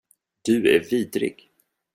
Du är vidrig.